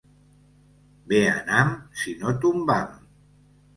Bé anam si no tombam.